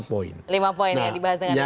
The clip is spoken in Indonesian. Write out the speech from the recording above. lima poin ya dibahas dengan dengan berbeda